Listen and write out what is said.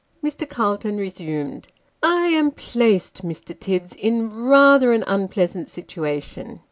Mr. Calton resumed ;" I am placed, Mr. Tibbs, in rather an un pleasant situation."